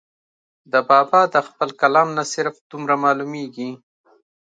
د بابا د خپل کلام نه صرف دومره معلوميږي